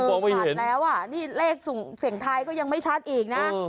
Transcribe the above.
เพราะไม่เห็นเออขาดแล้วนี่เลขเสียงท้ายก็ยังไม่ชัดอีกนะเออ